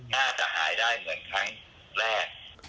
น่าจะหายได้เหมือนครั้งแรก